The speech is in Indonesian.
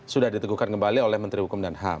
sudah diteguhkan kembali oleh menteri hukum dan ham